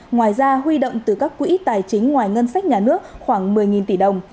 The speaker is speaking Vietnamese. ngoài ra huy động từ các quỹ tài chính ngoài ngân sách nhà nước khoảng một mươi tỷ đồng